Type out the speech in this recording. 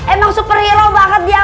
emang super hero banget dia